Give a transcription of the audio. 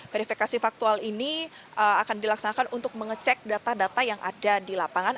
verifikasi faktual ini akan dilaksanakan untuk mengecek data data yang ada di lapangan